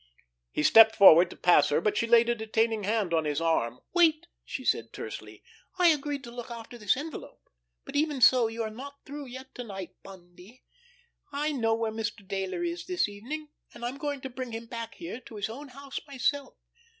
He stepped forward to pass her, but she laid a detaining hand on his arm. "Wait!" she said tersely. "I agreed to look after this envelope, but even so you are not through yet to night, Bundy. I know where Mr. Dayler is this evening, and I am going to bring him back here to his own house myself.